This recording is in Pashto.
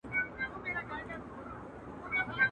ستا د منزل د مسافرو قدر څه پیژني.